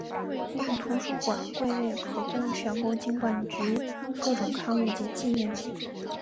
另图书馆柜位可供选购金管局各种刊物及纪念品。